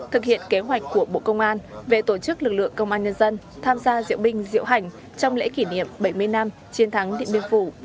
thực hiện kế hoạch của bộ công an về tổ chức lực lượng công an nhân dân tham gia diễu binh diễu hành trong lễ kỷ niệm bảy mươi năm chiến thắng điện biên phủ